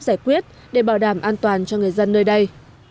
giải quyết để bảo đảm an toàn cho người dân nơi đây